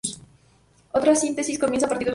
Otra síntesis comienza a partir del cubano.